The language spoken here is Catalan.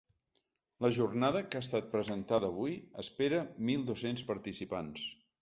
La jornada, que ha estat presentada avui, espera mil dos-cents participants.